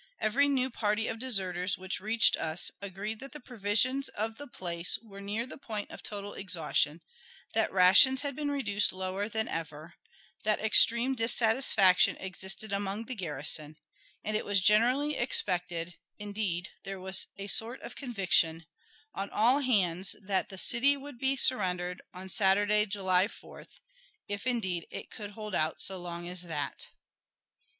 Every new party of deserters which reached us agreed that the provisions of the place were near the point of total exhaustion, that rations had been reduced lower than ever, that extreme dissatisfaction existed among the garrison, and it was generally expected indeed, there was a sort of conviction on all hands that the city would be surrendered on Saturday, July 4th, if, indeed, it could hold out so long as that.